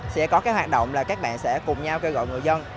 sẽ có cái hoạt động là các bạn sẽ cùng nhau kêu gọi người dân